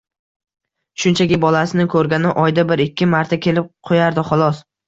Shunchaki, bolasini ko'rgani oyda bir-ikki marta kelib qo'yardi, xolos